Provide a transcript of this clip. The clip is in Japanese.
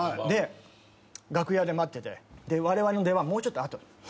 で楽屋で待っててわれわれの出番もうちょっと後。